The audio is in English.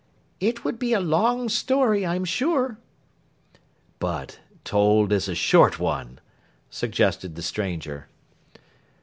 'It would be a long story, I am sure.' 'But told as a short one,' suggested the stranger.